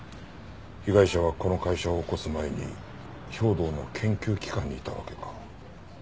被害者はこの会社を起こす前に兵働の研究機関にいたわけか。